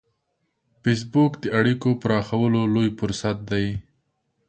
فېسبوک د اړیکو پراخولو لوی فرصت دی